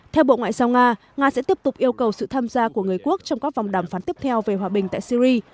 theo bộ ngoại giao nga nga sẽ tiếp tục yêu cầu sự tham gia của người quốc trong các vòng đàm phán tiếp theo về hòa bình tại syri